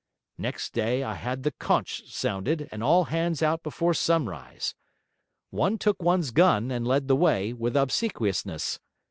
Next day, I had the conch sounded and all hands out before sunrise. One took one's gun, and led the way, with Obsequiousness.